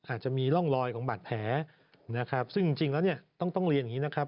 อาจจะมีร่องรอยของบัตรแผลซึ่งจริงแล้วต้องเรียนอย่างนี้